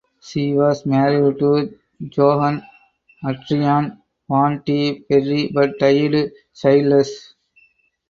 She was married to Johan Adriaan van de Perre but died childless.